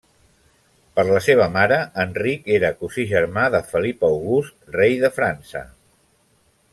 Per la seva mare, Enric era cosí germà de Felip August, rei de França.